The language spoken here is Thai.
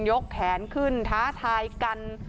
แขนขึ้นท้าทายกัน